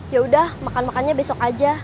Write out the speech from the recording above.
yaudah makan makannya besok aja